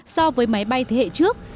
so với máy bay thế hệ trước